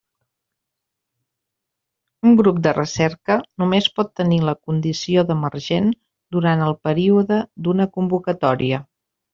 Un grup de recerca només pot tenir la condició d'emergent durant el període d'una convocatòria.